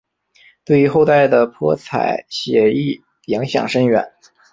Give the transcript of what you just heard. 对于后代的泼彩写意影响深远。